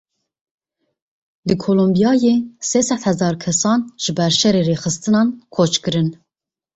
Li Kolombiyayê sê sed hezar hezar kesan ji ber şerê rêxistinan koç kirin.